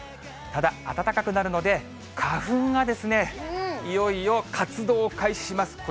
ただ、暖かくなるので、花粉がいよいよ活動を開始します。